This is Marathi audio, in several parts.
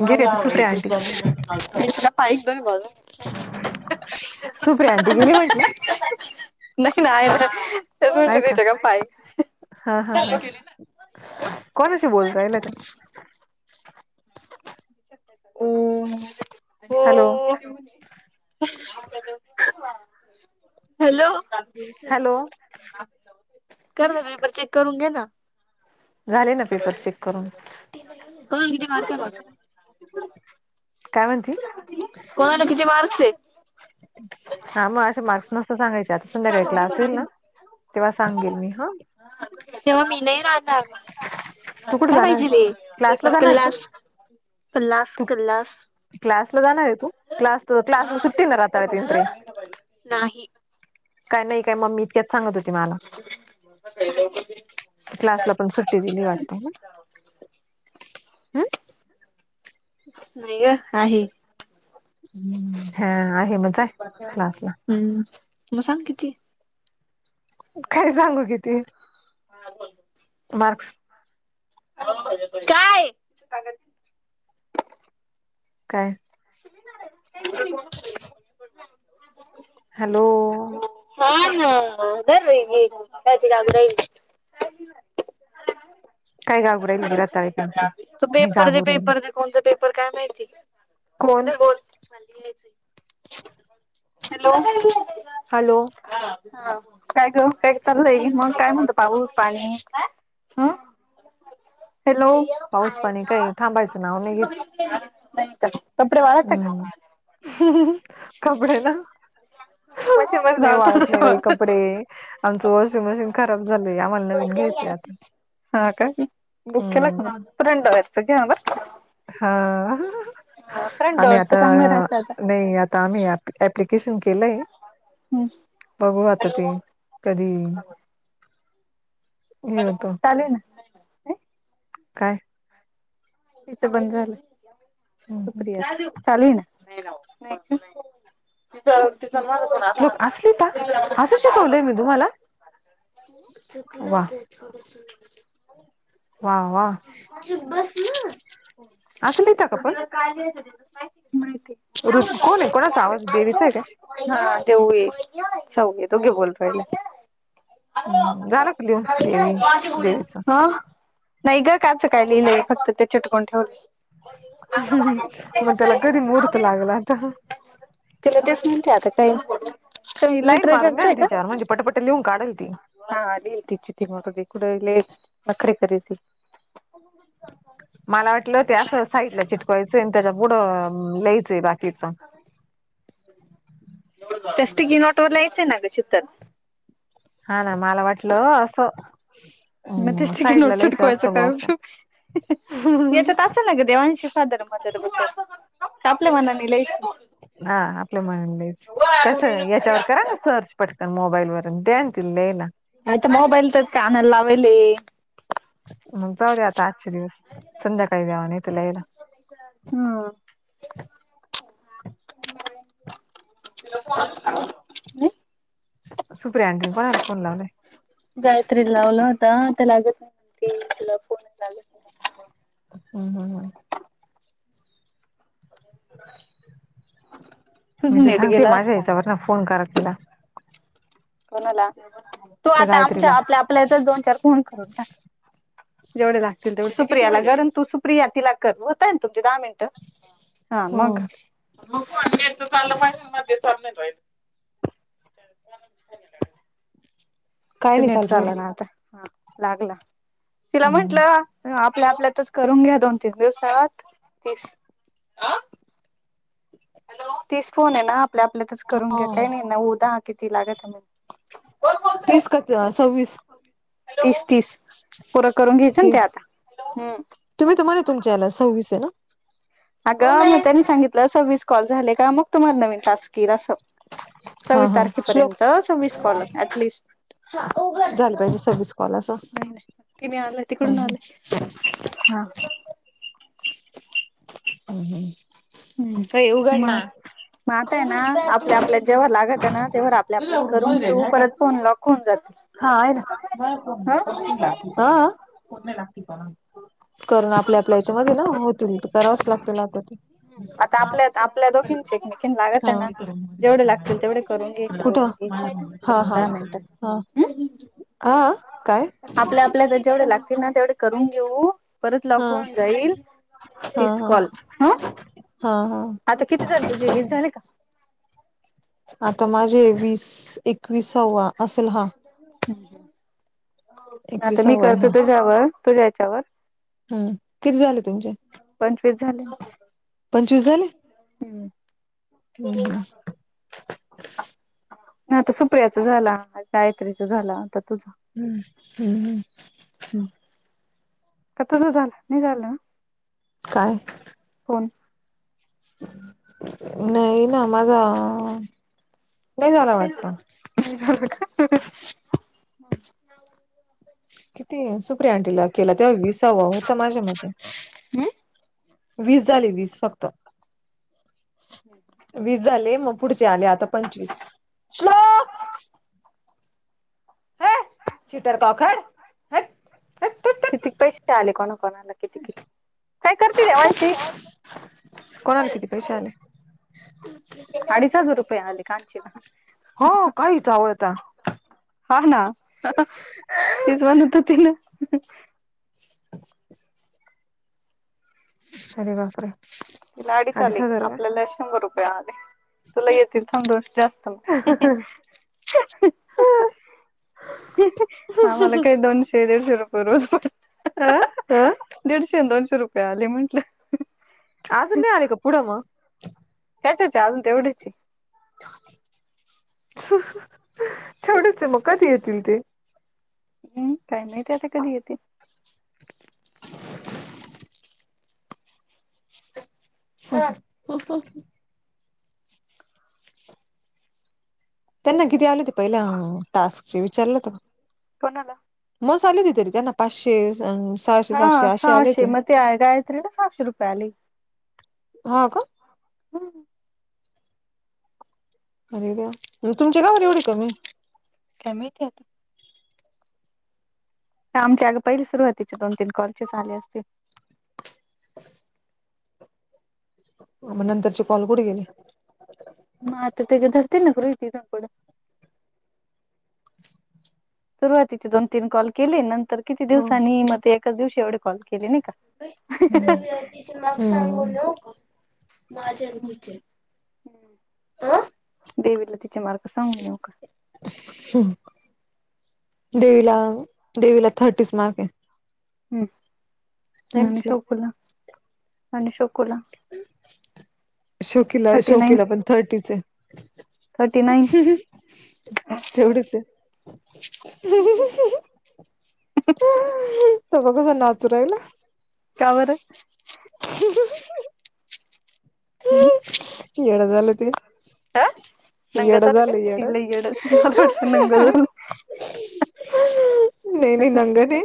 गेले ते सुप्रिया आंटी पा ब सुप्रिया ऑंटी गेली म्हटलं. नाही नाही ना तच्या का पाय हा हा हा कोणशी बोलू राहिल्या त्या? हो हॅलो हॅलो हॅलो कर ग पेपर चेक करून घेणा. झाले ना पेपर चेक करून. कोणाला किती मार्क ये काय म्हणती मग? कोणाला किती मार्क्स आहे? हा मग असे मार्क्स नस्त सांगायचे आता संध्याकाळी क्लास होईल ना. तेव्हा सांगेल मी हा तेव्हा मी नाही राहणार [inaudible] तू कुठे काय जाणार आहे पाहिजे क्लास ला जाणार तू? कल्लास कल्लास कल्लास क्लास ला जाणार आहे तू क्लास क्लासला सुट्टी ना रताळ्या. नाही. काय नाही काय मग मी इतक्याच सांगत होते मला क्लासला पण सुट्टी दिली वाटते. रियल आहे. हम्म हा आहे म जा क्लासला हम्म मग सांग किती? काय सांगू किती? हा ब मार्क्स काय कागद काय? [unintelligible] हॅलो हा ना घर लाग राहिल. काय गागू राहिली की अ रताळे पिंपरे तू नाही पेपर दे गागू राहिली. पेपर दे कोणते पेपर काय माहिती कोण दर हॅलो हा हॅलो हा काय ग काय चाललंय मग काय म्हणत पाहूस पाणी ह हॅलो पाऊस पाणी काही थांबायचं नाव नाही घेत कपडे वाळत हे का ह् कपडे ना मशीन मध्ये नाही वाळत ना बाई जात कपडे आमचं वॉशिंग मशीन खराब झालंय आम्हाला नवीन घ्यायचंय आता हा का बुक केला का हम्म मग रेट वरचा घ्याबर का हा आम्ही डोअरच आता चांगलं राहतं आता नाही आ आता आम्ही ऍप्लिकेशन केलंय हम्म बघू आता ते कधी हो येतो चालेल ना काय तथं बंद झालं सुप्रिया चालूय ना लोक असली का असं शिकवलय मी तुम्हाला वा वा वा चूप बस ना अस लिता का पण काय माहिती रु कोण आहे माहितीमुळे कोणाचा आवाज देवीचा आहे हा तेव ये सग ये तो क बोलतो हम् झालं क लिहून देवी देवीच नाही ग काचं काय लिहिले फक्त ते चटकुन ठेवले हम्म मगत्याला कधी मुहर्तलागला आता तिला तेस म्हणते आता काही का लाईन मारून लिटरेचरच द्या ना आहे का तिच्यावर म्हणजे पटपट लिहून काढल ते हा अलील त इ चिती मदी कुड ल बखरे खरस मला वाटलं हो ते असं साईडला चिटकवायचंय आणि त्याच्या पुढं लियचंय बाकीच त्यास् गी नॉटवररला यायचंय ना ग शतल हा ना मला वाटलं असं मग हम्म तेचिके नोट साईडला लिहायचं चटकवायचं असतं बुवा असं काय येत तस ना ग देवांशी फादर म ब कापल्या मनानी लयच हा आपलं म्ह कस याच्यावर करा ना सर्च पटकन मोबाईल वरून द्यान दिले ना आयता म मोबाईल तत कानल लावेल हे मग जाऊ देे आता आजचे दिवस संध्याकाळी द्यावा न त्यालायला हम् सुप्रियाँटनी म्हणाला फोन लावला गायत्री लावला होता ते लागत नाहीती फोन लाग हम् हम् हम तुझ मी तर नेट सांगते गेला माझ्या असल हेच्यावर ना फोन करा तिला. कोणाला तो त्या आता गायत्रीला आमच्या आपल्या आपल्याचाच दोन चार फोन करून टाक. जेवढे लागतील तेवढे सुप्रियाला गरंत तू सुप्रिया तिला कर होतय ना तुम दहा मिनट. हा हो मग मग चलं महि मध्ये चालल व्हाय. काय किती नाही नीट चालू राहिल चालं ना आता हा लागला तिला हम्म म्हंटलं आपल्या आपल्यातच करून घ्या दोन तीन दिवसात तीस आ तीस फोन आहे ना आपल्या आपल्यातच करून घ्या काही नाही हा नऊ दहा कित तो लागत नाही. तीस का सव्वीस. तीस तीस पूरं करून घ्यायचं ना ती ते आता हम्म तुम्ही तमला तुमच्या याला सव्वीस आहे ना? कोण अगं मग आहे त्यांनी सांगितलं अ सव्वीस कॉल झाले का मग तुम्हाला नवीन टास्क येईल असं. हा सव्वीस हा तारखेपर्यंत सव्वीस कॉल ऍटलिस्ट - - झालं पाहिजे सव्वीस कॉल अस ह नाही नाही तिने आलं तिकडून हम्म. आलं हा. हम् हम् काय उघड ना! मात आहे ना आपल्या आपल्यात जेव्हा लागत आहे ना तेवर आपल्या आपल्यात करून घेऊ परत फोन लॉक कोण जाते. हा आहे ना [unintelligible] आ [unintelligible] करून आपल्या आपल्या याच्यामध्ये ना होतील तर करावच लागतील आता ते. आता आपल्या आपल्या दोघींची एकमेकीन लागत आहे हा ना जेवढे लागतील तेवढे करून घ्यायचे कुठं? बोलून घ्यायचे हा हा दहा मिनिटं हा हम् हा आपल्या आपल्या तच जेवढे लागतील ना तेवढे करून घेऊ. परत हा लॉक होवून जाईल हा तीस हा कॉल ह. हा हा. आता किती झाले तुझे वीस झाले का? आता माझे वीस एकवीसावा असेल हा. आता मी एकविसावा आहे करतो तुझ्यावर तुझ्या याच्यावर हम् किती झाले तुमचे पंचवीस झाले पंचवीस झाले? हम्म. हम्म हम्म नाही आता सुप्रियाच झाला गायत्रीच झाला आता तुझा हम्म हम्म हम्. ह का तस झालं नाही झालं ना? काय? कोण? नाही ना माझा नाही झाला वाटत. नाही झालं का? किती सुप्रिया ऑंटीला केला तेव्हा विसावा होता माझ्या मते का वीस झाले वीस फक्त. वीस झाले मग पुढचे आले आता पंचवीस श्लोक चिटर काखाय हट् किती पैसे आले कोणा कोणाला किती किती काय करतील त्या वंशि कोणाला किती पैशे आले? अडीच हजार रूपये आले काांचीला. हो काही चावळता हा ना तेच म्हणत तिन ह् [unintelligible] अरे बापरे. त लाडी अडीच चाली हजार आपल्याला शंभर रुपये आले. तुला येतील थंडू जास्त म हा मला काही रुपये दोनशे दीडशे रूप बरोबर अ अ दीडशे दोनशे रुपये आले म्हंटलं. अजून नाही आले का पुढ म ह्याच अजून तेवढेच तेवढच आहे मग कधी येतील ते हम्म काही नाही ते आता कधी येते. ह त्यांना किती आल ते पहिल्या टास्कचे विचारलं होत का? कोणाला? मग झालं की त्यांना पाचशे हा सातशे असे आले सहाशे ते मध्ये गायत्री ना सहाशे रुपयली हा ग हम तुमची का एवढी एवढी कमी का माहिती आता आमच्या चार सुरुवातीच्या दोन-तीन कॉलचे झाले असतील. मग नंतरचे कॉल कुठे गेले? म ते तेग धरते ना ग रोहितथ कड सुरुवातीचे दोन तीन कॉल केले नंतर किती हो दिवसांनी मग एकाच दिवशी एवढे कॉल केले नाही का? तिचे माग सांगून न का माझ्या आणि तिचे ह देवीला तिच्या मार्ग सांगू नका. देवीला देवीला थर्टीच मार्क आहे. हम् नाही नणे म्हटलं शोकुला नणे शोकुला. ह. शोकीला थर्टी नाईन शोकीिला पण थर्टीच थर्टी नाईन तेवढीच आहे. ह त बघ जना आचुराहिल. का बरं? [unintelligible] हम्म येड झाल ते हा नंग येड झालं येड कालड तुम्हाला वाटत नंग झालं नाही नाही नाही नंगर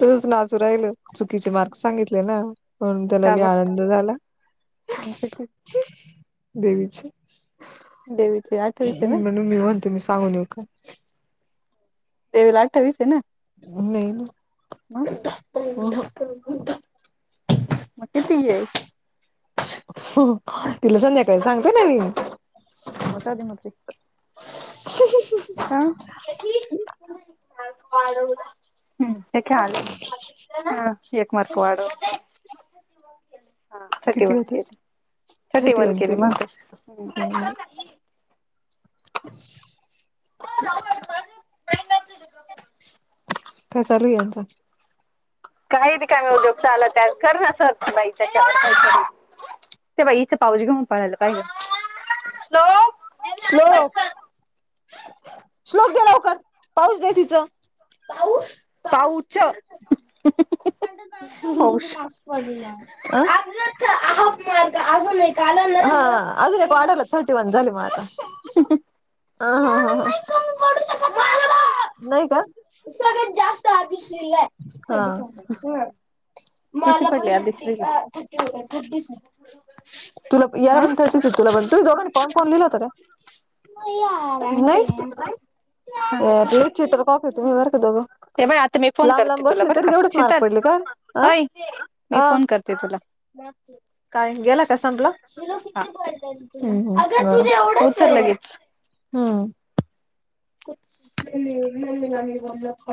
तच नाचू राहिल चुकीचे मार्क सांगितले ना म्हणून त्याला लय आनंद झाला. ह किती? देवीचे देवीची आठवीस आहे ना म्हणून मी म्हणते मी सांगूनो. [unintelligible] देवीला अठविस आहे ना. नाही ना. मग मग किती आहे? हो तिला संध्याकाळी सांगते ना मी हा बज [unintelligible] दे म त हा हम्म हे काय आले ह एक मार्क वाढवून हा थर्टी किती वन होते केजी थर्टी वन केजी हम्म काय चालू यांचां? काही रिकामी उद्योग चालत कर नास बाईच्या ते बाईचं पाऊज घेऊन पळालं पाहिे [unintelligible] श्लोक श्लोक द्या लवकर पाऊस द तिचं [inaudible] पाऊस पाऊच पाऊस मास्क पडला [unintelligible] ा मार् अजून का अजून का ऑर्डरला थर्टी वन झाली मग आता [inaudible] ह हा हा ह [unintelligible] नाही का सगळत जास्त हातीश्रीय [inaudible] ह किती मला पडले पण थर्टि आदिश्रीला आ थटी थटी तुला याला पण हं थर्टीस तुला ब तुम्हाला दोघांना कोण कोण गेल होत ग व्हय ह लय द्रूप [inaudible] पाक तुम्ही मार दोघं ते बाई आता मी फोन लांब करते लांब तुला बसले बरं तरी का तेवढेच मार्क शीतल पडले का हा अय मी हा फोन करते तुला काय गेला सपलाका? हा अग तुझ एवढंच उचल आहे. लगेच. म न ग